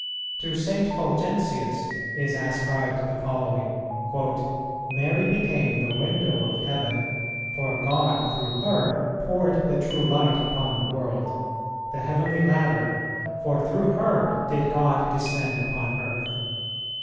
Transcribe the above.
To St. Fulgentius is ascribed the following: "Mary became the window of heaven, for God through her poured the True Light upon the world; the heavenly ladder, for through her did God descend upon earth.